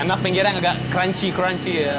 enak pinggirnya yang agak crunchy crunchy ya